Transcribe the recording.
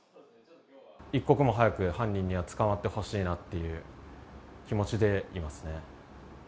一刻も早く、犯人には捕まってほしいなっていう気持ちでいますね。